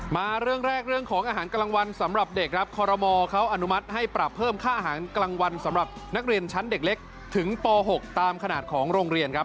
มาเรื่องแรกเรื่องของอาหารกลางวันสำหรับเด็กครับคอรมอเขาอนุมัติให้ปรับเพิ่มค่าอาหารกลางวันสำหรับนักเรียนชั้นเด็กเล็กถึงป๖ตามขนาดของโรงเรียนครับ